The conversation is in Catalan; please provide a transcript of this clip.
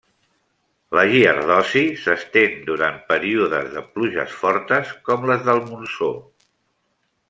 La giardiosi s'estén durant períodes de pluges fortes com les del Monsó.